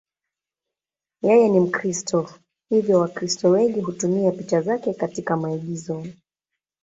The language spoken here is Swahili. Yeye ni Mkristo, hivyo Wakristo wengi hutumia picha zake katika maigizo.